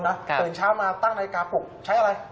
ตื่นเช้ามาตั้งนาฬิกาปลุกใช้อะไร